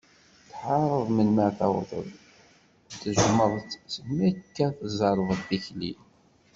Tḥareḍ melmi ara tawḍeḍ, tejjmeḍ-tt degmi akka tzerbeḍ tikli.